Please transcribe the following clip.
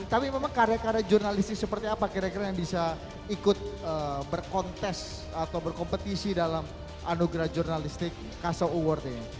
tapi memang karya karya jurnalistik seperti apa kira kira yang bisa ikut berkontes atau berkompetisi dalam anugerah jurnalistik kaso award ini